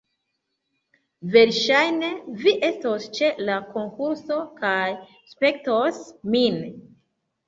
Verŝajne, vi estos ĉe la konkurso kaj spektos min